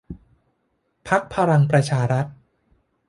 พรรคพลังประชารัฐ